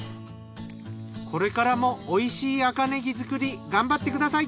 これからもおいしい赤ねぎ作り頑張ってください。